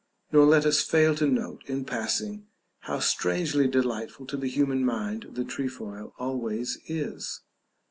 Nor let us fail to note in passing how strangely delightful to the human mind the trefoil always is.